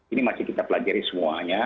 ini masih kita pelajari semuanya